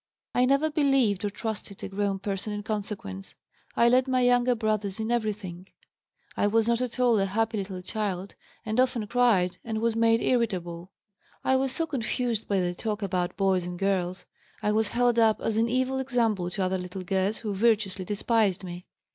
I never believed or trusted a grown person in consequence. I led my younger brothers in everything. I was not at all a happy little child and often cried and was made irritable; I was so confused by the talk, about boys and girls. I was held up as an evil example to other little girls who virtuously despised me.